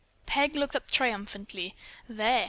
'" Peg looked up triumphantly. "There!